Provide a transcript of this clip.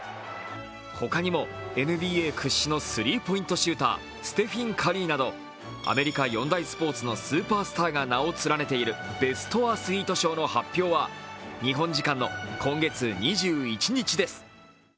他にも、ＮＢＡ屈指のスリーポイントシューターステフィン・カリーなどアメリカ４大スポーツのスーパースターが名を連ねているベストアスリート賞の発表は日本時間の今月２１日です。